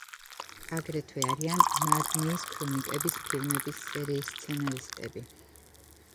აგრეთვე არიან „ნარნიის ქრონიკების“ ფილმების სერიის სცენარისტები.